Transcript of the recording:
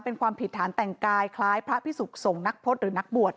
เป็นความผิดฐานแต่งกายคล้ายพระพิสุขส่งนักพจน์หรือนักบวช